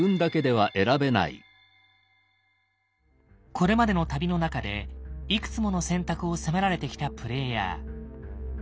これまでの旅の中でいくつもの選択を迫られてきたプレイヤー。